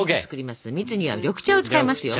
蜜には緑茶を使いますよ。